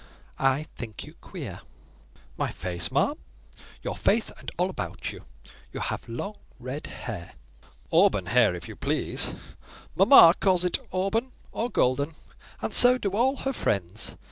"I think you queer." "My face, ma'am?" "Your face and all about you: You have long red hair." "Auburn hair, if you please: mamma, calls it auburn, or golden, and so do all her friends.